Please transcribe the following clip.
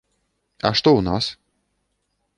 А што ў нас?